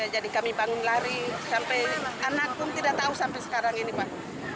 jadi kami bangun lari sampai anakku tidak tahu sampai sekarang ini pak